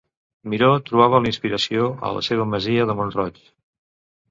Miró trobava la inspiració a la seva masia de Mont-roig.